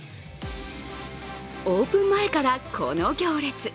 オープン前からこの行列。